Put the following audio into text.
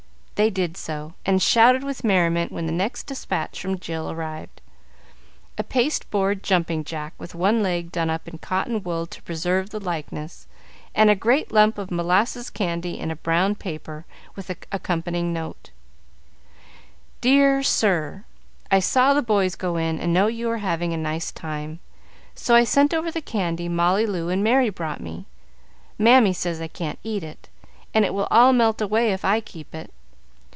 They did so, and shouted with merriment when the next despatch from Jill arrived. A pasteboard jumping jack, with one leg done up in cotton wool to preserve the likeness, and a great lump of molasses candy in a brown paper, with accompanying note: "Dear Sir, I saw the boys go in, and know you are having a nice time, so I send over the candy Molly Loo and Merry brought me. Mammy says I can't eat it, and it will all melt away if I keep it.